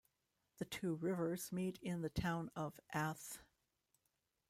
The two rivers meet in the town of Ath.